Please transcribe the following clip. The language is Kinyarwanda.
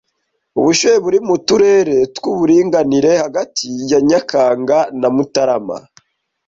Ubushyuhe buri mu turere tw’uburinganire hagati ya Nyakanga na Mutarama